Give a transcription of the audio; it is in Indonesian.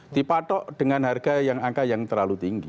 dipatok dengan harga yang angka yang terlalu tinggi